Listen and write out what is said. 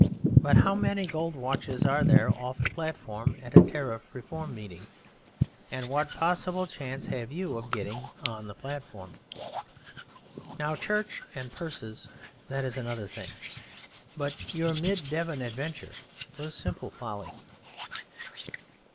But how many gold watches are there, off the platform, at a Tariff Reform meeting? And what possible chance have you of getting on the platform? Now church and purses, that is another thing, but your mid Devon adventure was simple folly.